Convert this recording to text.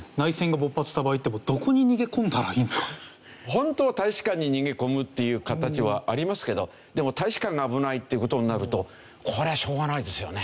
ホントは大使館に逃げ込むっていう形はありますけどでも大使館が危ないっていう事になるとこれはしょうがないですよね。